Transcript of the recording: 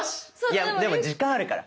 いやでも時間あるから。